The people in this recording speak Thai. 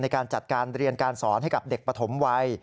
ในการจัดการเรียนการสอนให้กับเด็กปฐมวัย